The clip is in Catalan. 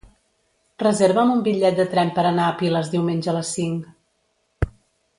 Reserva'm un bitllet de tren per anar a Piles diumenge a les cinc.